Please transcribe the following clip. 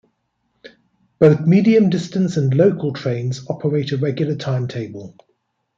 Both medium distance and local trains operate a regular timetable.